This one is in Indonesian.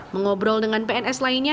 mengobrol dengan pns lainnya